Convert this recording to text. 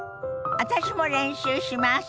私も練習します！